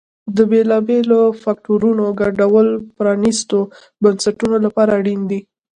د بېلابېلو فکټورونو ګډوله پرانیستو بنسټونو لپاره اړین دي.